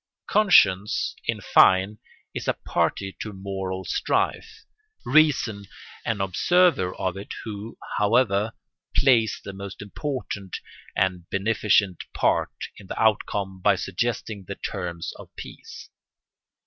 Conscience, in fine, is a party to moral strife, reason an observer of it who, however, plays the most important and beneficent part in the outcome by suggesting the terms of peace.